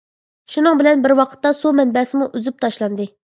شۇنىڭ بىلەن بىر ۋاقىتتا سۇ مەنبەسىمۇ ئۈزۈپ تاشلاندى.